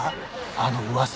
あの噂。